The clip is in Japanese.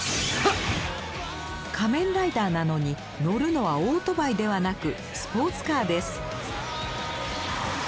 仮面ライダーなのに乗るのはオートバイではなくスポーツカーです。